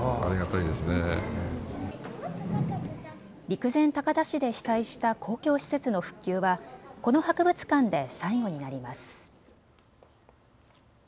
陸前高田市で被災した公共施設の復旧はこの博物館で最後になります。